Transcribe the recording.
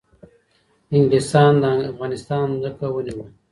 انگلیسان د افغانستان ځمکه ونیوله